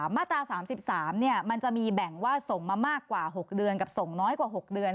มาตรา๓๓มันจะมีแบ่งว่าส่งมามากกว่า๖เดือนกับส่งน้อยกว่า๖เดือน